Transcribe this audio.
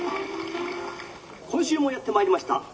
「今週もやってまいりました。